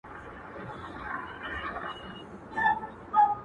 دا شپه پر تېرېدو ده څوک به ځي څوک به راځي.!.!